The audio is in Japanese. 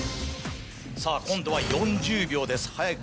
さぁ今度は４０秒です。